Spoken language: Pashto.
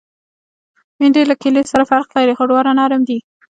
بېنډۍ له کیلې سره فرق لري، خو دواړه نرم دي